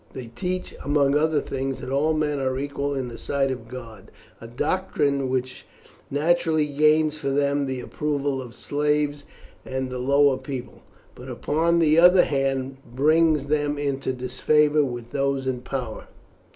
They teach among other things that all men are equal in the sight of God a doctrine which naturally gains for them the approval of slaves and the lower people, but, upon the other hand, brings them into disfavour with those in power.